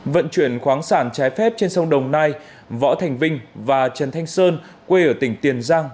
vận chuyển khoáng sản trái phép trên sông đồng nai võ thành vinh và trần thanh sơn quê ở tỉnh tiền giang